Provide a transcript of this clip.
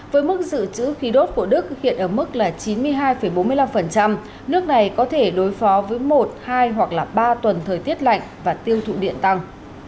với mức dự trữ khí đốt của đức hiện ở mức là chín mươi hai bốn mươi năm nước này có thể đối phó với một hai hoặc là ba tuần thời tiết lạnh và tiêu thụ điện tăng